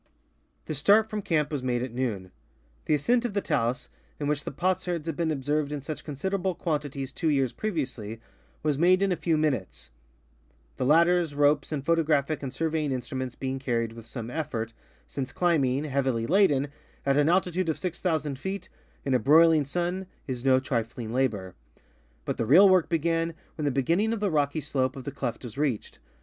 (PI. 32.) The start from camp was made at noon. The ascent of the talus, in which the potsherds had been observed in such considerable quantities two years previously, was made in a few minutes, the ladders, ropes, and photographic and surveying instruments being carried with some effort, since climbing, heavil}^ laden, at an altitude of 6,000 feet, in a broiling sun, is no trifling labor ; but the real work began when the beginning of the rock}^ slope of the cleft was reached.